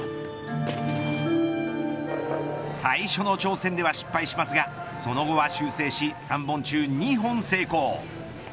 最初の挑戦では失敗しますがその後は修正し３本中２本成功。